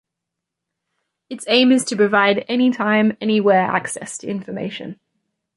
Its aim is to provide "Anytime, Anywhere access" to information.